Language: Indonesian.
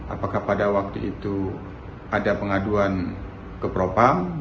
apakah pada waktu itu ada pengaduan ke propam